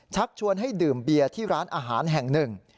ชักชวนให้ดื่มเบียร์ที่ร้านอาหารแห่งหนึ่ง